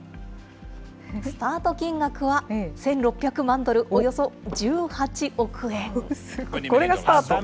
スタート金額は１６００万ドル、およそ１８億円。